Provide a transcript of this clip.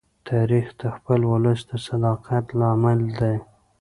تاریخ د خپل ولس د صداقت لامل دی.